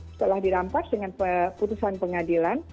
setelah dirampas dengan keputusan pengadilan